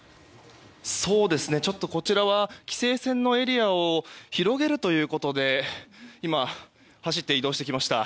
こちらは規制線のエリアを広げるということで今、走って移動してきました。